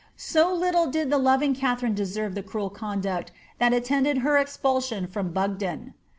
^' So little did the loving Katharine deserve the cruel conduct that attended her expulsion from Bugden.